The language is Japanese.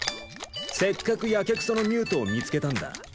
せっかくやけくそのミュートを見つけたんだ。